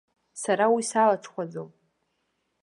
Сара уи салаҽхәаӡом.